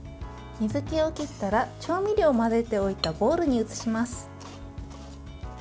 水けを切ったら調味料を混ぜておいたボウルに移します。